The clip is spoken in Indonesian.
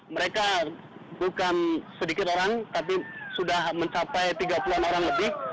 mereka bukan sedikit orang tapi sudah mencapai tiga puluh an orang lebih